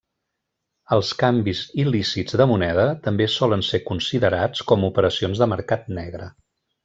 Els canvis il·lícits de moneda també solen ser considerats com operacions de mercat negre.